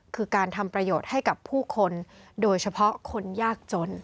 คือการทำประโยชน์ให้กับผู้คนโดยเฉพาะคนยากจน